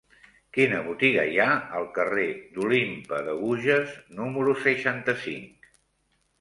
Quina botiga hi ha al carrer d'Olympe de Gouges número seixanta-cinc?